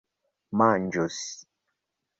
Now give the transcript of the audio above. manĝus